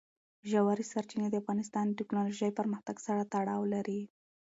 ژورې سرچینې د افغانستان د تکنالوژۍ پرمختګ سره تړاو لري.